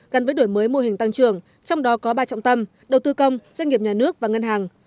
gắn với đổi mới mô hình tăng trưởng trong đó có ba trọng tâm đầu tư công doanh nghiệp nhà nước và ngân hàng